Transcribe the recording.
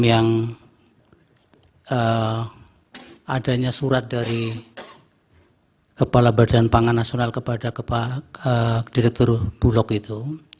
yang adanya surat dari kepala badan pangan nasional kepada direktur bulog itu